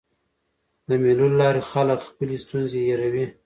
د مېلو له لاري خلک خپلي ستونزي هېروي.